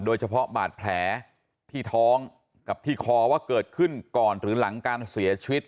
โดยเฉพาะบาดแผลที่ท้องกับที่คอว่าเกิดขึ้นก่อนหรือหลังการเสียชีวิต